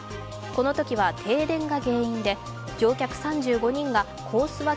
このときは停電が原因で乗客３５人がコース